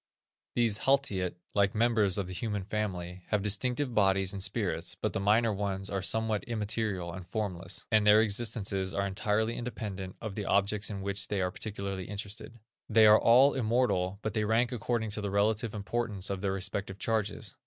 These haltiat, like members of the human family, have distinctive bodies and spirits; but the minor ones are somewhat immaterial and formless, and their existences are entirely independent of the objects in which they are particularly interested. They are all immortal, but they rank according to the relative importance of their respective charges.